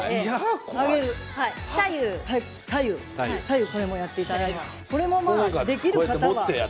左右やっていただいてこれもできる方は。